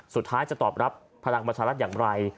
สุดท้ายจะตอบรับภาคมัชรัฐรัฐอย่างไร